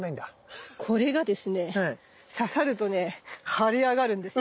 これがですね刺さるとね腫れ上がるんですよ。